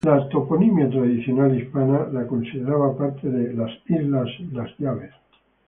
La toponimia tradicional hispana la considera parte de las "islas Las Llaves".